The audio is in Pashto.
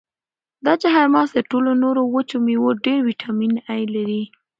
دا چهارمغز تر ټولو نورو وچو مېوو ډېر ویټامین ای لري.